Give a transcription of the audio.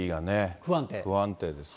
不安定ですね。